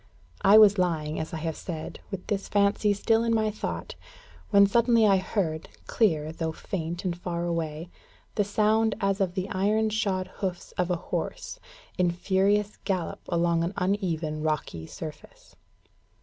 I was lying, as I have said, with this fancy still in my thought, when suddenly I heard, clear, though faint and far away, the sound as of the iron shod hoofs of a horse, in furious gallop along an uneven rocky surface.